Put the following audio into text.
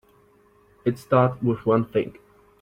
It start with one thing.